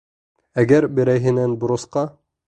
Әгәр берәйһенән бурысҡа...